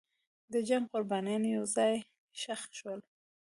د جنګ قربانیان یو ځای ښخ شول.